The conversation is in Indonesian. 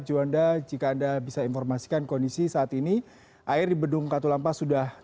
juanda jika anda bisa informasikan kondisi saat ini air di bendung katulampa sudah